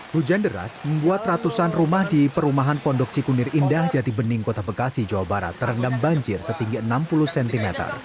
hujan deras membuat ratusan rumah di perumahan pondok cikunir indah jati bening kota bekasi jawa barat terendam banjir setinggi enam puluh cm